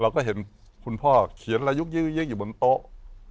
เราก็เห็นคุณพ่อเขียนระยุกยื้ออยู่บนโต๊ะ